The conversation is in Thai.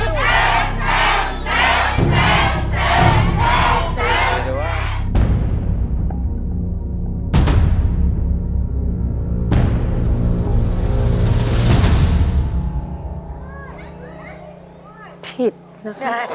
โหโหโหโหโหโหโห